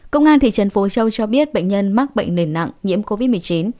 công an thị trấn phố châu cho biết bệnh nhân mắc bệnh nền nặng nhiễm covid một mươi chín